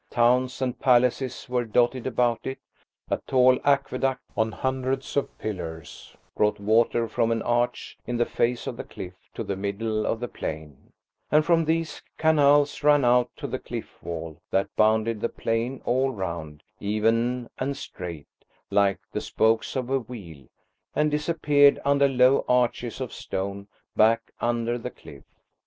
Towns and palaces were dotted about it–a tall aqueduct on hundreds of pillars brought water from an arch in the face of the cliff to the middle of the plain, and from these canals ran out to the cliff wall that bounded the plain all round, even and straight, like the spokes of a wheel, and disappeared under low arches of stone, back under the cliff.